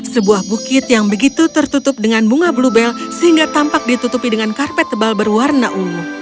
sebuah bukit yang begitu tertutup dengan bunga bluebil sehingga tampak ditutupi dengan karpet tebal berwarna ungu